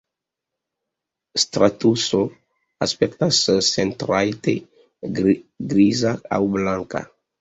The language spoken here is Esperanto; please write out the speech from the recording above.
Stratuso aspektas sentrajte griza aŭ blanka.